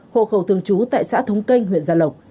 hộ khẩu thường trú tại xã thống canh huyện gia lộc